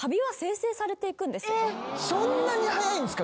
そんなに早いんすか？